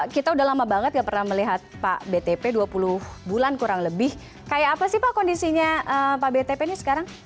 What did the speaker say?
kita udah lama banget gak pernah melihat pak btp dua puluh bulan kurang lebih kayak apa sih pak kondisinya pak btp ini sekarang